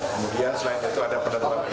kemudian selain itu ada penentuan